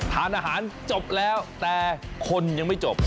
ทานอาหารจบแล้วแต่คนยังไม่จบ